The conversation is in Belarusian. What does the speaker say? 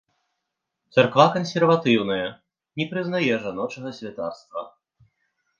Царква кансерватыўная, не прызнае жаночага святарства.